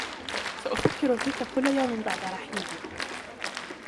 سأفكر فيك كل يوم بعد رحيلي.